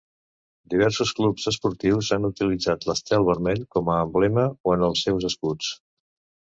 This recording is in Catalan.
Diversos clubs esportius han utilitzat l'estel vermell com a emblema o en els seus escuts.